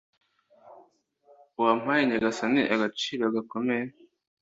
wampaye nyagasani agaciro gakomeye